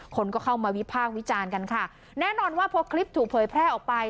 คนก็เข้ามาวิพากษ์วิจารณ์กันค่ะแน่นอนว่าพอคลิปถูกเผยแพร่ออกไป